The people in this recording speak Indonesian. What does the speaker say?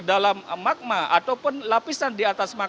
di dalam ibu teman kami jukarto bahwa